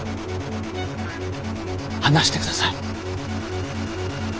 離してください。